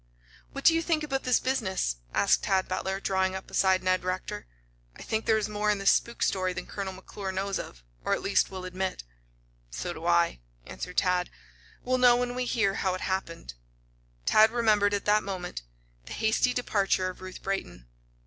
"What do you think about this business?" asked Tad Butler, drawing up beside Ned Rector. "I think there is more in this spook story than Colonel McClure knows of, or, at least, will admit." "So do I," answered Tad. "We'll know when we hear how it happened." Tad remembered, at that moment, the hasty departure of Ruth Brayton.